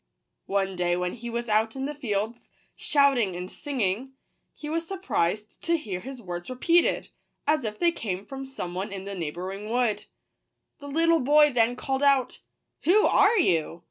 One day when he was out in the fields, shouting and singing, he was surprised to hear his words repeated, as if they came from some one in the neighbouring wood. The little boy then called out, " Who are you